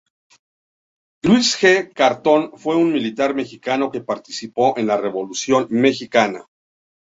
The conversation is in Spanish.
Luis G. Cartón fue un militar mexicano que participó en la Revolución mexicana.